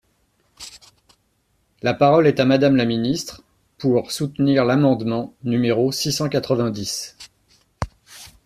La parole est à Madame la ministre, pour soutenir l’amendement numéro six cent quatre-vingt-dix.